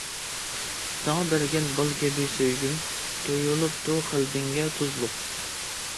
ساڭا بەرگەن بال كەبى سۆيگۈم، تۇيۇلۇپتۇ قەلبىڭگە تۇزلۇق.